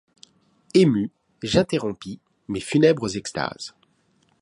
Ému, j’interrompis mes funèbres extases